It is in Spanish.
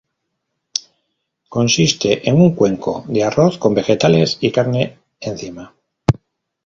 Consiste en un cuenco de arroz con vegetales y carne encima.